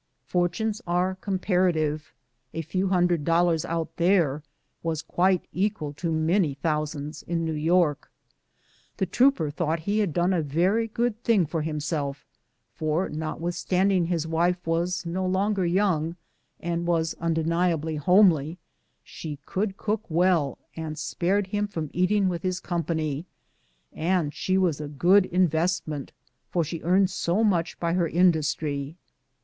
Fortunes are compar ative ; a few hundred dollars out there was quite equal to many thousands in New York. The trooper thought lie had done a very good thing for himself, for notwith standing his wife was no longer 3'oung, and was unde niably homely, she could cook well and spared him from eating with his company, and she was a good invest ment, for she earned so much by her industry.